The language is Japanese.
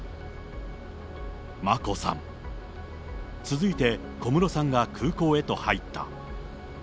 眞子さん、続いて小室さんが空港へと入った。